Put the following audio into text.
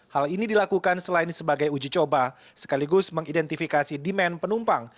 hal ini dilakukan selain sebagai uji coba sekaligus mengidentifikasi demand penumpang